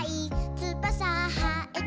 「つばさはえても」